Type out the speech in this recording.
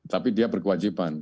tapi dia berkewajiban